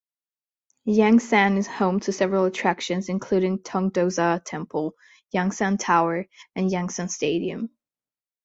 Yangsan is home to several attractions, including Tongdosa Temple, Yangsan Tower, and Yangsan Stadium.